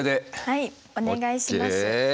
はいお願いします。